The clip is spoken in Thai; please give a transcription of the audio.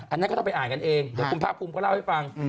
อันนั้นก็ต้องไปอ่านกันเองเดี๋ยวคุณภาคภูมิก็เล่าให้ฟัง